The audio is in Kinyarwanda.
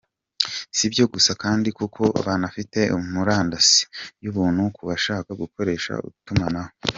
Si ibyo gusa kandi kuko banafite murandasi y’ubuntu ku bashaka gukoresha utumanaho.